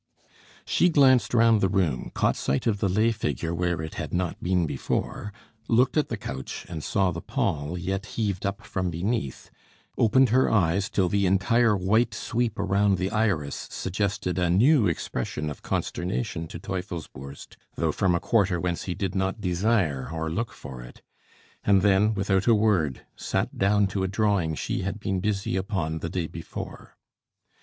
She glanced round the room, caught sight of the lay figure where it had not been before, looked at the couch, and saw the pall yet heaved up from beneath, opened her eyes till the entire white sweep around the iris suggested a new expression of consternation to Teufelsbürst, though from a quarter whence he did not desire or look for it; and then, without a word, sat down to a drawing she had been busy upon the day before.